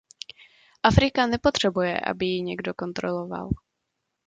Afrika nepotřebuje, aby ji někdo kontroloval.